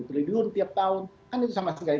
kan itu sama sekali tidak mengganggu